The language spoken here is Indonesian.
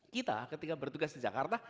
kita ketika bertugas di jakarta